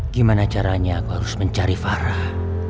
gimana caranya aku harus mencari farah